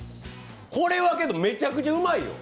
これは、けどめちゃくちゃうまいよ。